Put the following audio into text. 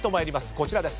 こちらです。